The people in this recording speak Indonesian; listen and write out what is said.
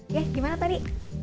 ya gimana tadi